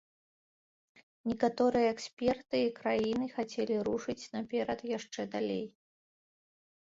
Некаторыя эксперты і краіны хацелі рушыць наперад яшчэ далей.